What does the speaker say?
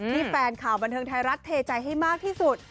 แฟนข่าวบันเทิงไทยรัฐเทใจให้มากที่สุด